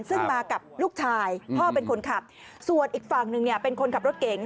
ซึ่งมากับลูกชายพ่อเป็นคนขับส่วนอีกฝั่งหนึ่งเนี่ยเป็นคนขับรถเก๋ง